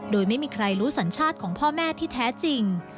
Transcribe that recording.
โดยไม่มีใครรู้สัญชาติของพ่อแม่ที่แท้จริง